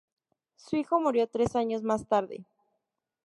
Su hijo murió tres años más tarde.